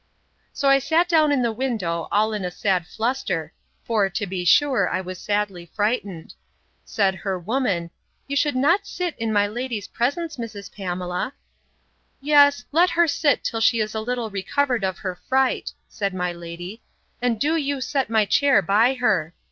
So I sat down in the window, all in a sad fluster; for, to be sure, I was sadly frightened.—Said her woman, You should not sit in my lady's presence, Mrs. Pamela. Yes, let her sit till she is a little recovered of her fright, said my lady, and do you set my chair by her.